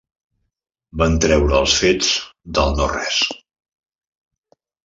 Van treure els fets del no-res.